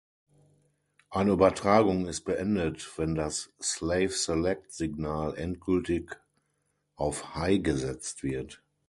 Eine Übertragung ist beendet, wenn das Slave-Select-Signal endgültig auf High gesetzt wird.